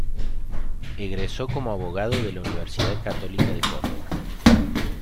Egresó como abogado de la Universidad Católica de Córdoba.